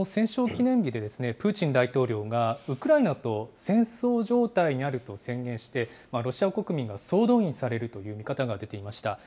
記念日で、プーチン大統領が、ウクライナと戦争状態にあると宣言して、ロシア国民が総動員されるという見方が出ていました。